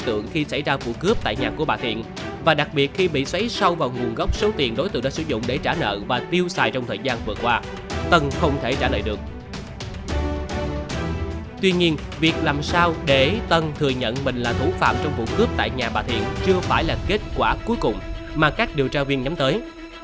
tuy nhiên việc làm sao để tân thừa nhận mình là thủ phạm trong vụ cướp tại nhà bà thiện chưa phải là kết quả cuối cùng mà các điều tra viên nhắm tới